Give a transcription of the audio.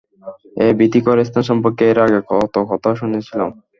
এই ভীতিকর স্থান সম্পর্কে এর আগে কত কথা শুনেছিলাম।